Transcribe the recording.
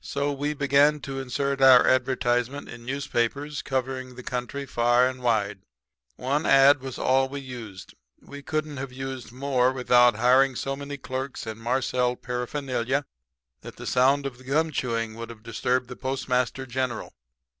"So, we began to insert our advertisement in newspapers covering the country far and wide. One ad was all we used. We couldn't have used more without hiring so many clerks and marcelled paraphernalia that the sound of the gum chewing would have disturbed the Postmaster General.